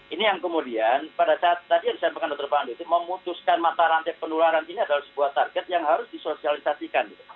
ini yang kemudian pada saat tadi yang disampaikan dr pandu itu memutuskan mata rantai penularan ini adalah sebuah target yang harus disosialisasikan